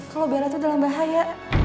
kalau bera tuh dalam bahaya